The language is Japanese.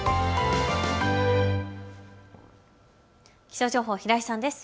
気象情報、平井さんです。